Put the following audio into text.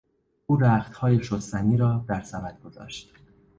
او رختهای شستنی را در سبد گذاشت.